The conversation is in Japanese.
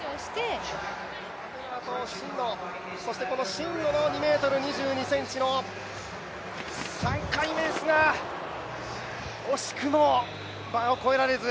真野の２ｍ２２ｃｍの３回目ですが惜しくもバーを越えられず。